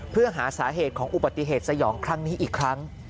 เพื่อหาสาเหตุของอุบัติเหตุสยองครั้งนี้อีกครั้ง